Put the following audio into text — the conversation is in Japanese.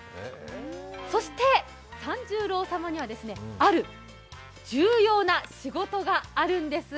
そして、さんじゅーろー様にはある重要な仕事があるんです。